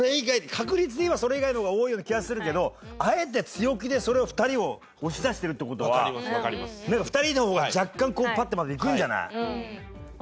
確率でいえばそれ以外の方が多いような気がするけどあえて強気でそれを２人を押し出してるって事は２人の方が若干パッていくんじゃない？